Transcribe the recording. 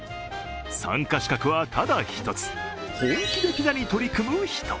参加資格はただ一つ、本気でピザに取り組む人。